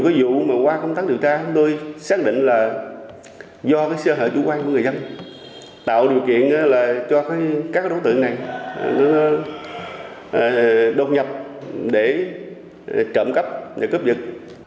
vụ mà qua công tác điều tra tôi xác định là do cái xã hội chủ quan của người dân tạo điều kiện cho các đối tượng này đột nhập để trộm cắp để cướp dứt